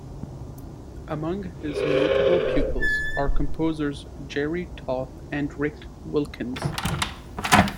Among his notable pupils are composers Jerry Toth and Rick Wilkins.